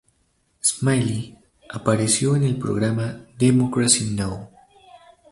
Smiley apareció en el programa "Democracy Now!".